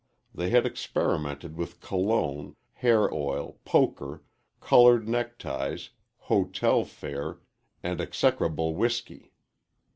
They had experimented with cologne, hair oil, poker, colored neckties, hotel fare, and execrable whiskey.